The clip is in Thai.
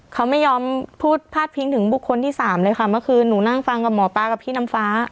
เขาไม่ยอมพูดพาดพิงถึงบุคคลที่สามเลยค่ะเมื่อคืนหนูนั่งฟังกับหมอป๊ากับพี่น้ำฟ้า